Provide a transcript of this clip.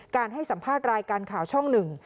ให้สัมภาษณ์รายการข่าวช่องหนึ่ง